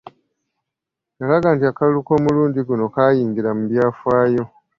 Yalaga nti akalulu k'omulundi guno kaayingira mu byafaayo